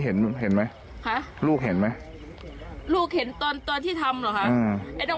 เห็นตอนที่มันยืนอยู่ยืนที่เศร้าตอนที่เขายืน